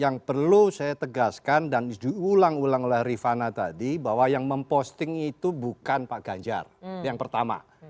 yang perlu saya tegaskan dan diulang ulang oleh rifana tadi bahwa yang memposting itu bukan pak ganjar yang pertama